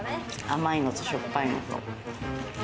甘いのと、しょっぱいのと。